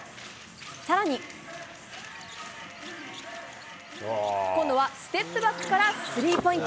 さらに、今度はステップバックからスリーポイント。